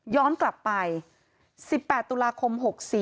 ย้อนกลับไป๑๘ตุลาคม๖๔